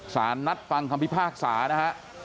สารนัดฟังคำพิพากษานะฮะ